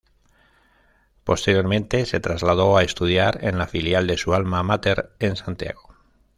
Posteriormente se trasladó a estudiar en la filial de su alma máter en Santiago.